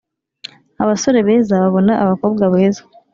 abasore beza babona abakobwa beza